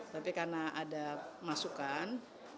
tapi karena ada masukan